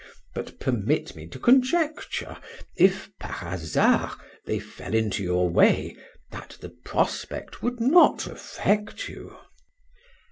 —But permit me to conjecture,—if, par hazard, they fell into your way, that the prospect would not affect you.